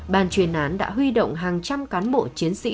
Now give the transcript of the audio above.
bàn truyền án đã huy động hàng trăm cán bộ chiến sĩ